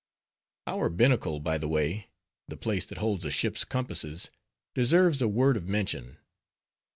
Our binnacle, by the way, the place that holds a ship's compasses, deserves a word of mention.